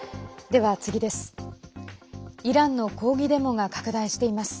では、次です。